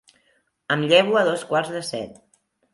Em llevo a dos quarts de set.